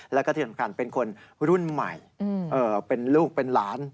แล้วก็ที่สำคัญเป็นคนรุ่นใหม่เป็นลูกเป็นหลาน